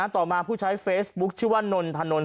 ต่อมาผู้ใช้เฟซบุ๊คชื่อว่านนทนนท